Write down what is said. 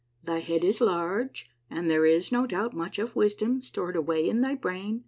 Thy head is large, and there is, no doubt, much of wisdom stored away in thy brain.